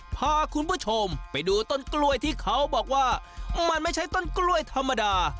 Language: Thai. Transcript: พาคุณผู้ชมไปดูต้นกล้วยที่เขาบอกว่ามันไม่ใช่ต้นกล้วยธรรมดา